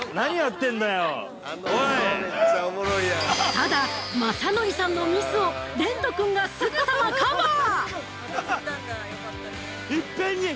◆ただ、まさのりさんのミスを蓮人君がすぐさまカバー！